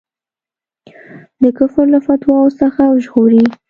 د کفر له فتواوو څخه وژغوري.